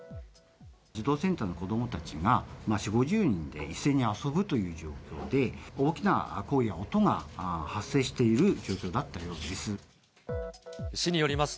児童センターの子どもたちが４、５０人で一斉に遊ぶという状況で、大きな声や音が発生している状況だったようです。